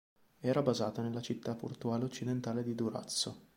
Era basata nella città portuale occidentale di Durazzo.